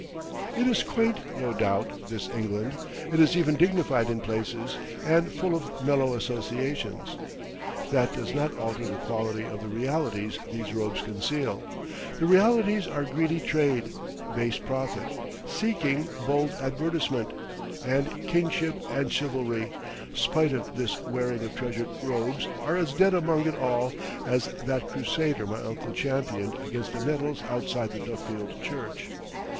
It is quaint, no doubt, this England—it is even dignified in places—and full of mellow associations. That does not alter the quality of the realities these robes conceal. The realities are greedy trade, base profit—seeking, bold advertisement; and kingship and chivalry, spite of this wearing of treasured robes, are as dead among it all as that crusader my uncle championed against the nettles outside the Duffield church.